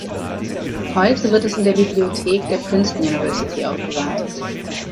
Heute wird es in der Bibliothek der Princeton University aufbewahrt.